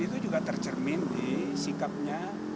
itu juga tercermin di sikapnya